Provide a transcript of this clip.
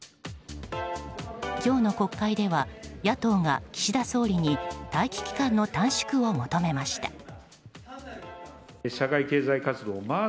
今日の国会では野党が岸田総理に待機期間の短縮を求めました。